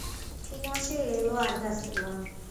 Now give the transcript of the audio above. ფინალში ლელო არ გასულა.